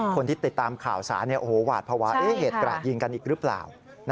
คนที่ติดตามข่าวสารหวาดภาวะเหตุกระดยิงกันอีกหรือเปล่า